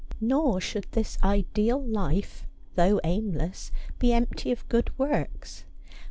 Nor should this ideal life, though aimless, be empty of good works.